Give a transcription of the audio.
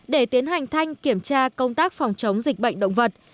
để tiến hành thanh kiểm tra công tác phòng chống dịch bệnh động vật